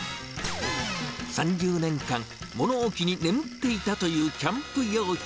３０年間、物置に眠っていたというキャンプ用品。